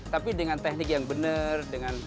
tapi dengan teknik yang benar